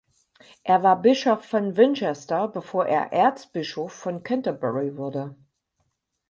Er war Bischof von Winchester, bevor er Erzbischof von Canterbury wurde.